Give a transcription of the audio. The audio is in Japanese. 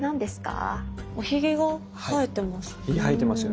おひげが生えてます。